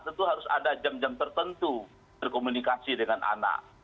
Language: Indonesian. tentu harus ada jam jam tertentu berkomunikasi dengan anak